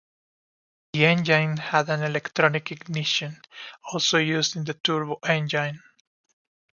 The engine had an electronic ignition also used in the turbo engine.